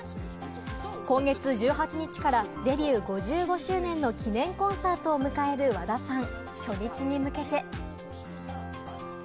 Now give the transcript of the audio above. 今月１８日からデビュー５５周年の記念コンサートを迎える、和田さん。